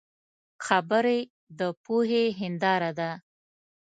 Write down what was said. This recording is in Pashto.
خبرې د پوهې هنداره ده